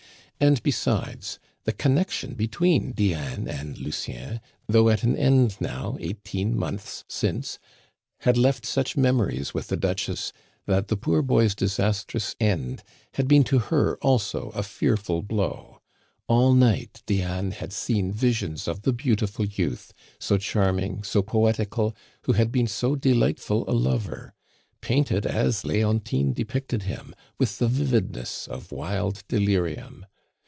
And besides, the connection between Diane and Lucien, though at an end now eighteen months since, had left such memories with the Duchess that the poor boy's disastrous end had been to her also a fearful blow. All night Diane had seen visions of the beautiful youth, so charming, so poetical, who had been so delightful a lover painted as Leontine depicted him, with the vividness of wild delirium.